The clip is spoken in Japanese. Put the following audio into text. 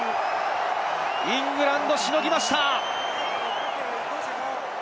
イングランド、しのぎました！